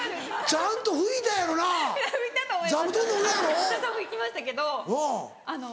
ちゃんと拭きましたけどあの。